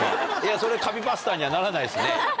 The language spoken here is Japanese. それカビバスターにはならないですね。